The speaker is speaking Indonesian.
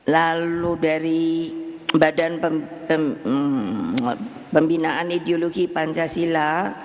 lalu dari badan pembinaan ideologi pancasila